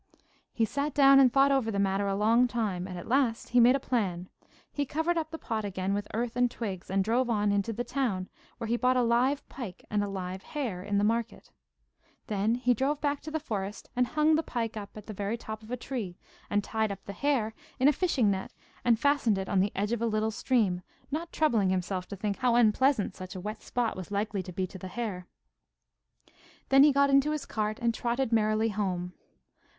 He sat down and thought over the matter a long time, and at last he made a plan. He covered up the pot again with earth and twigs, and drove on into the town, where he bought a live pike and a live hare in the market. Then he drove back to the forest and hung the pike up at the very top of a tree, and tied up the hare in a fishing net and fastened it on the edge of a little stream, not troubling himself to think how unpleasant such a wet spot was likely to be to the hare. Then he got into his cart and trotted merrily home.